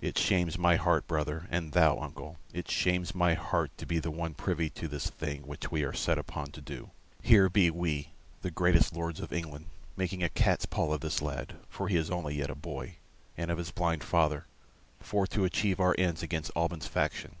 "It shames my heart, brother and thou, uncle it shames my heart to be one privy to this thing which we are set upon to do. Here be we, the greatest Lords of England, making a cat's paw of this lad for he is only yet a boy and of his blind father, for to achieve our ends against Alban's faction.